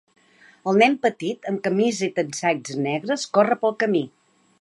El nen petit amb camisa i texans negres corre pel camí.